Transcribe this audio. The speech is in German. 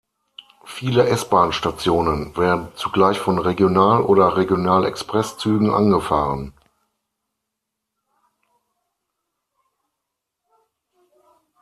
Viele S-Bahn-Stationen werden zugleich von Regional- oder Regionalexpress-Zügen angefahren.